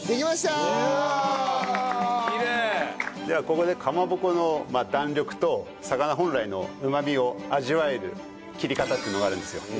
ではここでかまぼこの弾力と魚本来のうまみを味わえる切り方っていうのがあるんですよ。